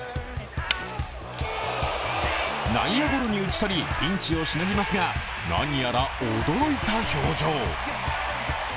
内野ゴロに打ち取りピンチをしのぎますが何やら驚いた表情。